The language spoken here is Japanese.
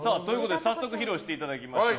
早速披露していただきましょう。